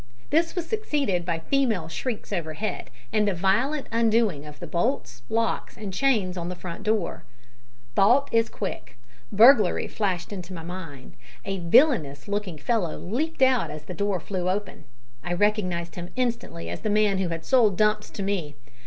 This was succeeded by female shrieks overhead, and the violent undoing of the bolts, locks, and chains of the front door. Thought is quick. Burglary flashed into my mind! A villainous looking fellow leaped out as the door flew open. I recognised him instantly as the man who had sold Dumps to me.